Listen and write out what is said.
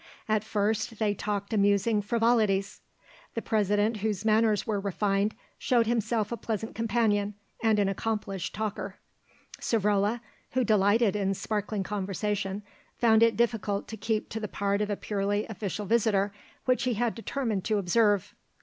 At first they talked amusing frivolities. The President, whose manners were refined, showed himself a pleasant companion and an accomplished talker. Savrola, who delighted in sparkling conversation, found it difficult to keep to the part of a purely official visitor which he had determined to observe.